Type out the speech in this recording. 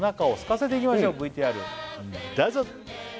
うんＶＴＲどうぞ！